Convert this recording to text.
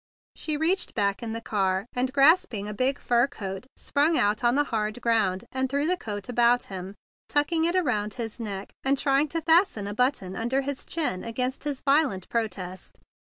She reached back in the car, and, grasping a big fur coat, sprang out on the hard ground, and threw the coat about him, tucking it around his neck and trying to fasten a button under his chin against his violent protest.